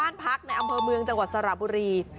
นอนเน่นอยู่ในนี้